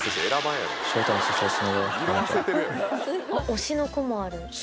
『推しの子』もある。